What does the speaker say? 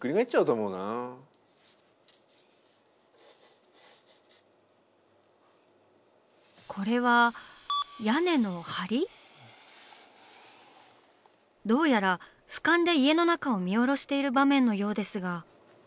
どうやら俯瞰で家の中を見下ろしている場面のようですが。